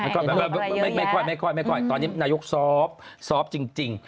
ก็ไม่ได้ออกมาให้ไม่ค่อยตอนนี้นายกซอฟต์ซอฟต์จริง